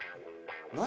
何？